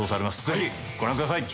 ぜひご覧ください。